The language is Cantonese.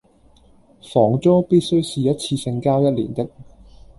房租必須是一次性交一年的